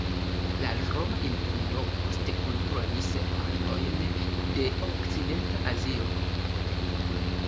La Roma Imperio poste kontrolis partojn de Okcidenta Azio.